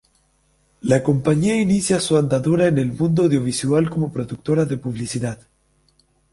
La compañía inicia su andadura en el mundo audiovisual como productora de publicidad.